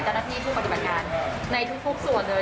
แต่์หน้าที่คูมิประธิบัติการงานในทุกส่วนเลย